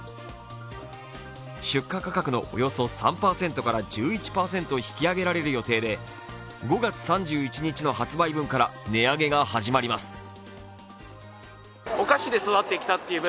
出荷価格のおよそ３％から１１％引き上げられる予定で、５月３１日の発売分から値上げが始まります。